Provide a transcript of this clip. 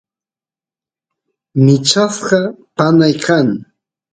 michasqa panay kan